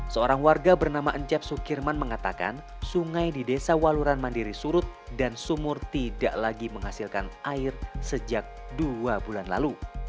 seorang warga bernama encep sukirman mengatakan sungai di desa waluran mandiri surut dan sumur tidak lagi menghasilkan air sejak dua bulan lalu